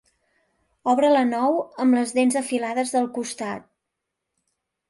Obre la nou amb les dents afilades del costat.